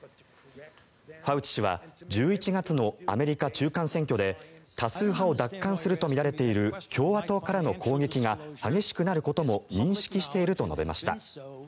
ファウチ氏は１１月のアメリカ中間選挙で多数派を奪還するとみられている共和党からの攻撃が激しくなることも認識していると述べました。